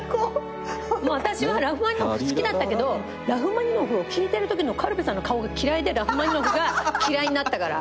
私はラフマニノフ好きだったけどラフマニノフを聴いてるときの軽部さんの顔が嫌いでラフマニノフが嫌いになったから。